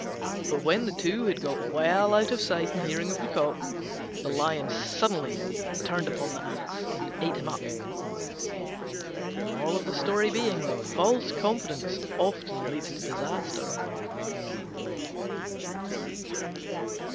But when the two had got well out of sight and hearing of the Cock, the Lion suddenly turned upon the Ass and ate him up. False confidence often leads to disaster.